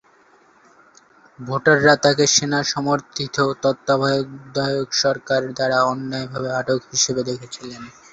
ভোটাররা তাকে সেনা সমর্থিত তত্ত্বাবধায়ক সরকার দ্বারা অন্যায়ভাবে আটক হিসাবে দেখেছিলেন।